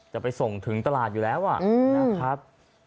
จะไปส่งถึงตลาดอยู่แล้วนะครับ